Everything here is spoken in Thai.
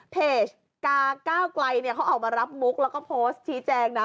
เพจกาก้าวไกลเนี่ยเขาออกมารับมุกแล้วก็โพสต์ชี้แจงนะ